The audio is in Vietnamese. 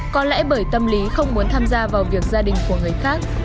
có lẽ bởi tâm lý không muốn tham gia vào việc gia đình của người khác